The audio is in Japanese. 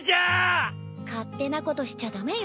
勝手なことしちゃ駄目よ。